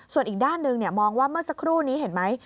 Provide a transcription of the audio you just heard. ส่วนอีกด้านหนึ่งมองว่าเมื่อสักครู่นี้เห็นไหม